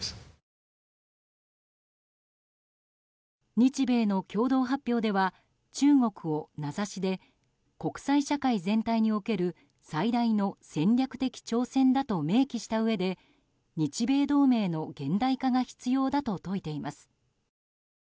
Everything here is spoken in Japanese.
日米の共同発表では中国を名指しで国際社会全体における最大の戦略的挑戦だと明記したうえで日米同盟の現代化が必要だと説いています。